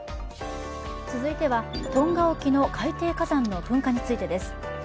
続いてはトンガ沖の海底火山の噴火についてです。